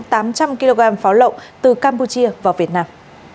trong kg pháo lộn từ campuchia vào việt nam